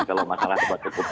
kalau masalah tersebut